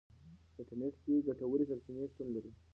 په انټرنیټ کې ګټورې سرچینې شتون لري.